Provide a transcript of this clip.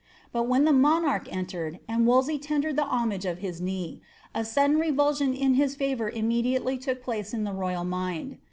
But when the monarch entered, and Wolsey ■(ndered the homage of his knee, a sudden revulsion in hia favour evi ilFnily look place in the royal mind.